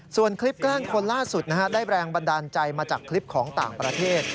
ส่วนคลิปแกล้งคนล่าสุดได้แรงบันดาลใจมาจากคลิปของต่างประเทศ